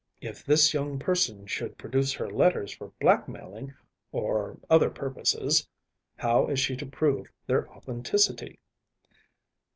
If this young person should produce her letters for blackmailing or other purposes, how is she to prove their authenticity?